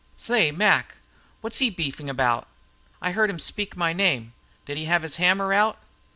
"Say Mac, what was he beefing about? I heard him speak my name. Did he have his hammer out?"